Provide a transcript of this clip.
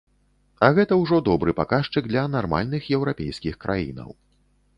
А гэта ўжо добры паказчык для нармальных еўрапейскіх краінаў.